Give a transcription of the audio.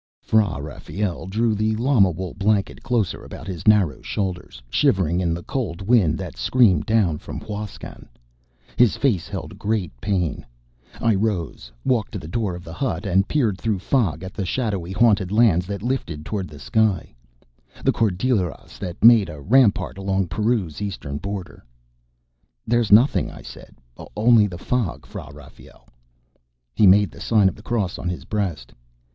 Fra Rafael drew the llama wool blanket closer about his narrow shoulders, shivering in the cold wind that screamed down from Huascan. His face held great pain. I rose, walked to the door of the hut and peered through fog at the shadowy haunted lands that lifted toward the sky the Cordilleras that make a rampart along Peru's eastern border. "There's nothing," I said. "Only the fog, Fra Rafael." He made the sign of the cross on his breast.